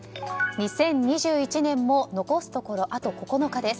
２０２１年も残すところあと９日です。